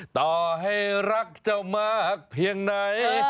ต่อให้รักเจ้ามากเพียงไหน